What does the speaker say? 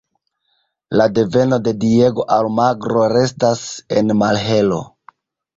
La deveno de Diego Almagro restas en malhelo.